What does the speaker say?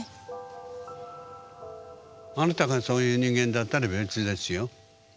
あなたがそういう人間だったら別ですよ。